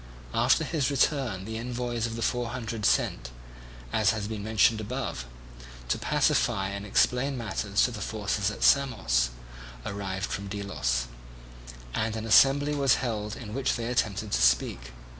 After his return the envoys of the Four Hundred sent, as has been mentioned above, to pacify and explain matters to the forces at Samos, arrived from Delos; and an assembly was held in which they attempted to speak.